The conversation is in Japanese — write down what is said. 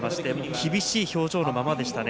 厳しい表情のままでした。